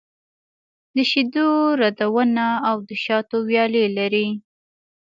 د شېدو رودونه او د شاتو ويالې لري.